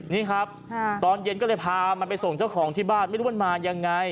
นี่ครับตอนเย็นก็เลยพามันไปส่งเจ้าของที่บ้านไม่รู้มันมายังไง